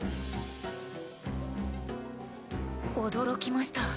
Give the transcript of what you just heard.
驚きました。